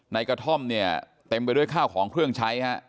กระท่อมเนี่ยเต็มไปด้วยข้าวของเครื่องใช้ฮะ